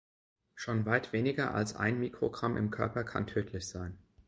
Schon weit weniger als ein Mikrogramm im Körper kann tödlich sein.